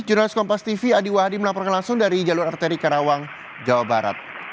jurnalis kompas tv adi wahdi melaporkan langsung dari jalur arteri karawang jawa barat